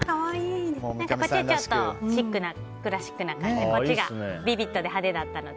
こっちはちょっとシックなクラシックな感じでこっちがビビッドで派手だったので。